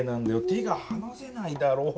手がはなせないだろう。